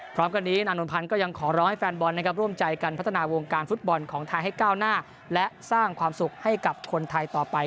พร้อมกันนี้นานนทพันธ์ก็ยังขอร้องให้แฟนบอลนะครับร่วมใจกันพัฒนาวงการฟุตบอลของไทยให้ก้าวหน้าและสร้างความสุขให้กับคนไทยต่อไป